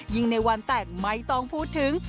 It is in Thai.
ในวันแต่งไม่ต้องพูดถึง